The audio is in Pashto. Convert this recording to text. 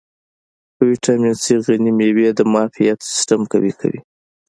په ویټامین C غني مېوې د معافیت سیستم قوي کوي.